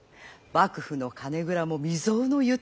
幕府の金蔵も未曽有の豊かさ。